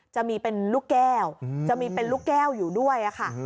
จะมีเป็นลูกแก้วจะมีเป็นลูกแก้วอยู่ด้วยค่ะ